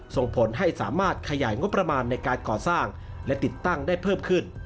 ส่งผลให้สามารถขยายงบประมาณในการก่อสร้างและติดตั้งได้เพิ่มขึ้น